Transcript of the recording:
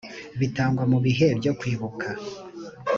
bitangwa mu bihe byo kwibuka